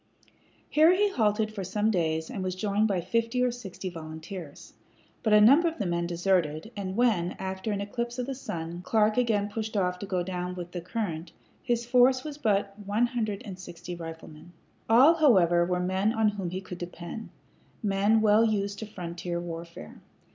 Here he halted for some days and was joined by fifty or sixty volunteers; but a number of the men deserted, and when, after an eclipse of the sun, Clark again pushed off to go down with the current, his force was but about one hundred and sixty riflemen. All, however, were men on whom he could depend men well used to frontier warfare.